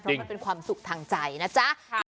เพราะมันเป็นความสุขทางใจนะจ๊ะ